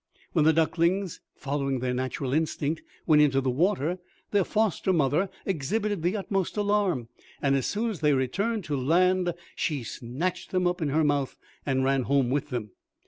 When the ducklings, following their natural instinct, went into the water, their foster mother exhibited the utmost alarm; and as soon as they returned to land she snatched them up in her mouth, and ran home with them.